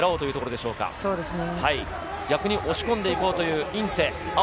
逆に押し込んで行こうというインツェ。